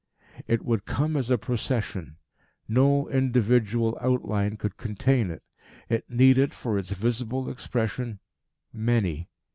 It would come as a Procession. No individual outline could contain it. It needed for its visible expression many.